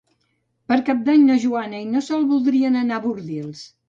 Per Cap d'Any na Joana i na Sol voldrien anar a Bordils.